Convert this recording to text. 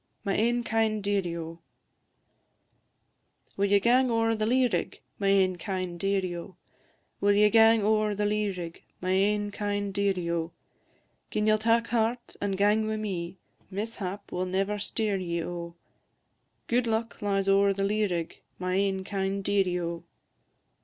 MY AIN KIND DEARIE, O! Will ye gang ower the lea rig, My ain kind dearie, O? Will ye gang ower the lea rig, My ain kind dearie, O? Gin ye'll tak heart, and gang wi' me, Mishap will never steer ye, O; Gude luck lies ower the lea rig, My ain kind dearie, O!